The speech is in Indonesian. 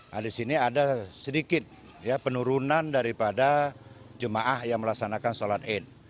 nah di sini ada sedikit penurunan daripada jemaah yang melaksanakan sholat id